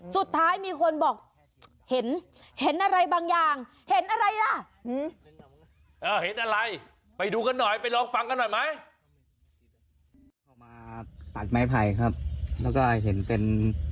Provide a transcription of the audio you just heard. สุดท้ายมีคนบอกเห็น